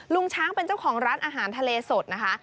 ลุงช้างเป็นเจ้าของร้านอาหารทะเลสดนะคะ